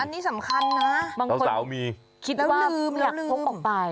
บางคนคิดว่าไม่อยากพกออกไป